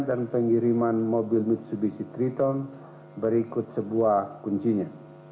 dan pengiriman mobil mitsubishi triton berikut sebuah kuncinya